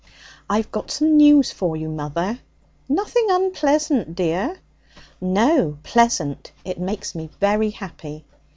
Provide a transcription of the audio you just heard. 'I've got some news for you, mother.' 'Nothing unpleasant, dear?' 'No, Pleasant. It makes me very happy.'